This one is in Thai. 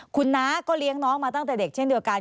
คุณน้าก็เลี้ยงน้องมาตั้งแต่เด็กเช่นเดียวกัน